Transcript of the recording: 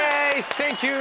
サンキュー！